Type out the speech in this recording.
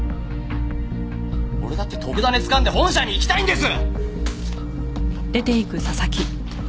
俺だって特ダネつかんで本社に行きたいんです！